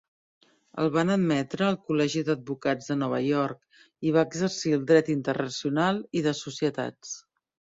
El van admetre al Col·legi d'advocats de Nova York i va exercir el Dret internacional i de societats.